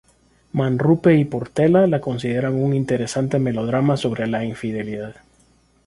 Manrupe y Portela la consideran un interesante melodrama sobre la infidelidad.